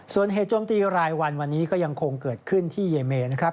ส่วนเหตุโจมตีรายวันวันนี้ก็ยังคงเกิดขึ้นที่เยเมนะครับ